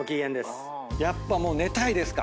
やっぱ寝たいですか？